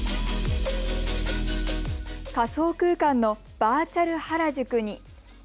仮想空間のバーチャル原宿に。